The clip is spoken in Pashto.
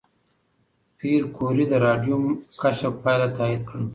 پېیر کوري د راډیوم کشف پایله تایید کړه.